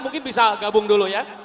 mungkin bisa gabung dulu ya